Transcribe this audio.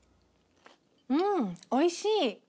うんおいしい。